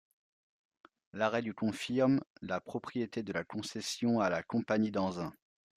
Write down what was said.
L'arrêt du confirme la propriété de la concession à la Compagnie d'Anzin.